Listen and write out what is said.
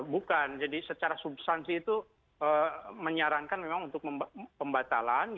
bukan jadi secara substansi itu menyarankan memang untuk pembatalan